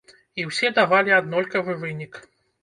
І ўсе давалі аднолькавы вынік.